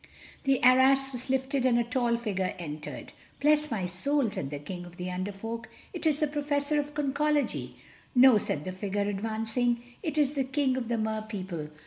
The arras was lifted and a tall figure entered. "Bless my soul," said the King of the Under Folk, "it's the Professor of Conchology." "No," said the figure, advancing, "it is the King of the Mer people.